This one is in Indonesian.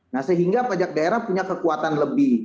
nah sehingga pajak daerah punya kekuatan lebih